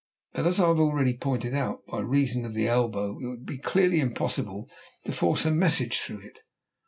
But as I have already pointed out, by reason of the elbow it would be clearly impossible to force a message through it.